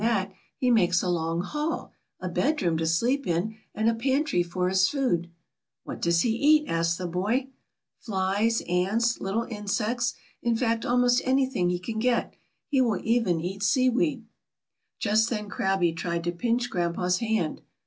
WILLIE'S VISIT TO THE SEASHORE. 177 he makes a long hall, a bedroom to sleep in, and a pantry for his food.'' 'What does he eat?" asked the boy. "Flies, ants, little insects, in fact, almost anything he can get. He will even eat sea weed." Just then crabbie tried to pinch grandpa's hand.